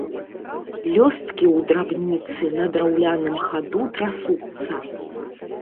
Лёсткі ў драбінцы на драўляным хаду трасуцца.